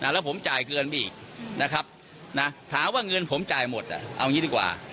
แล้วผมจ่ายเกินไปอีกนะครับถามว่าเงินผมจ่ายหมดเอาอย่างนี้ดีกว่า